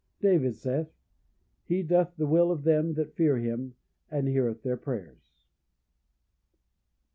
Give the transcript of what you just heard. David saith, "He doth the will of them that fear Him, and heareth their prayers."